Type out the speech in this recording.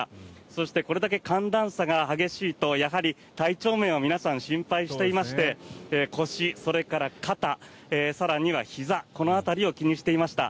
そしてこれだけ寒暖差が激しいとやはり体調面を皆さん心配していまして腰、それから肩更にはひざ、この辺りを気にしていました。